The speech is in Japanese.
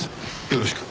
よろしく。